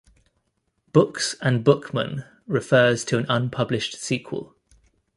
"Books and Bookmen" refers to an unpublished sequel.